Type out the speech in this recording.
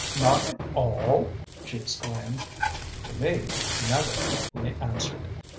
"Not at all?" she exclaimed. "To me, never," he answered.